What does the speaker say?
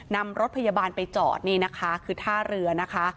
นำรถพยาบาลไปจอดนี่นะคะคือท่าเรือนะคะ